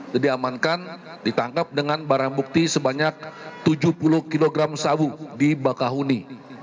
jadi amankan ditangkap dengan barang bukti sebanyak tujuh puluh kg sabu di bakahuni